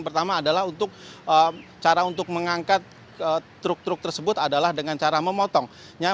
pertama adalah untuk cara untuk mengangkat truk truk tersebut adalah dengan cara memotongnya